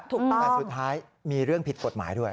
แต่สุดท้ายมีเรื่องผิดกฎหมายด้วย